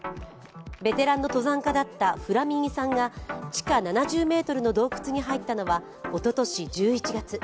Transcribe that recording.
ベテランの登山家だったフラミニさんが地下７０ｍの洞窟に入ったのはおととし１１月。